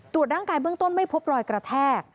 ร่างกายเบื้องต้นไม่พบรอยกระแทก